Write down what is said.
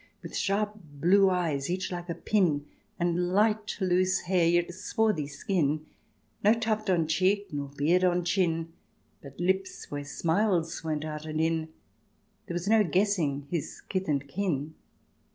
With sharp blue eyes each like a pin, And light loose hair, yet swarthy skin, No tuft on cheek nor beard on chin, But lips where smiles went out and in, There was no guessing his kith and kin.